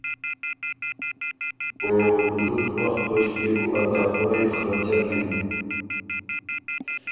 او زُت وخت توݭکيې بو ا څاپُرئ خرچکِن۔